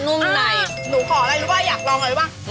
หนูขออะไรรู้ป่าวอยากลองอะไรรู้ป่าว